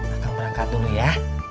akang berangkat dulu ya